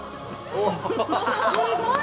すごい！